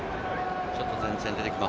ちょっと前線に出てきま